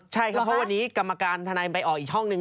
ใช่ครับเพราะวันนี้กรรมการทนายไปออกอีกห้องนึง